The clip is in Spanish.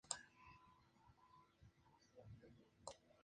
No hubo dado que se suspendieron.